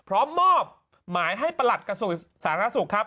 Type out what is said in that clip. พร้อมมอบหมายให้ประหลัดสารค้าสุขครับ